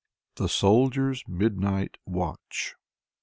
" THE SOLDIER'S MIDNIGHT WATCH.